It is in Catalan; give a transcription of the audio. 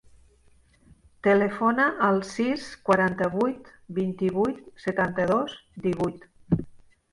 Telefona al sis, quaranta-vuit, vint-i-vuit, setanta-dos, divuit.